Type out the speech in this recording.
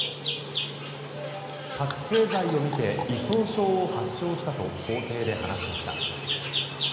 覚醒剤を見て依存症を発症したと法廷で話しました。